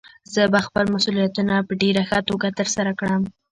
زه به خپل مسؤليتونه په ډېره ښه توګه ترسره کړم.